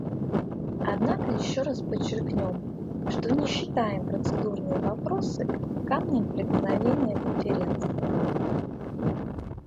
Однако еще раз подчеркнем, что не считаем процедурные вопросы камнем преткновения Конференции.